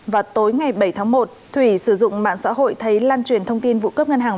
vào tối ngày bảy tháng một thủy sử dụng mạng xã hội thấy lan truyền thông tin vụ cướp ngân hàng